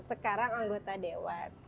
sekarang anggota dewan